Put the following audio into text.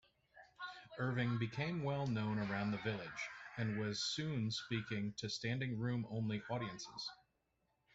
Irving became well-known around the Village, and was soon speaking to standing-room-only audiences.